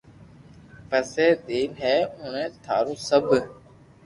پسو ٺين ھي ھوئي ٿارو سب